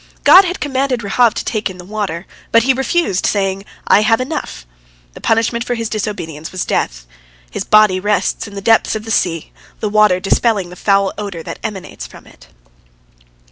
God had commanded Rahab to take in the water. But he refused, saying, "I have enough." The punishment for his disobedience was death. His body rests in the depths of the sea, the water dispelling the foul odor that emanates from it.